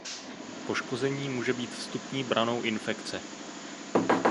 Poškození může být vstupní branou infekce.